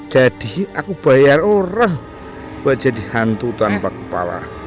jadi aku bayar orang buat jadi hantu tanpa kepala